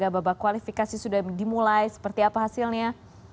babak kualifikasi sudah dimulai seperti apa hasilnya